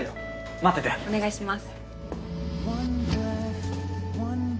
待っててお願いします